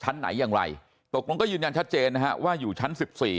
ไหนอย่างไรตกลงก็ยืนยันชัดเจนนะฮะว่าอยู่ชั้น๑๔